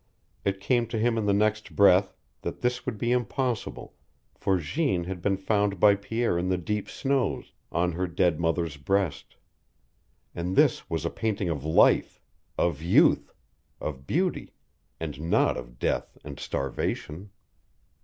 It came to him in the next breath that this would be impossible, for Jeanne had been found by Pierre in the deep snows, on her dead mother's breast. And this was a painting of life, of youth, of beauty, and not of death and starvation.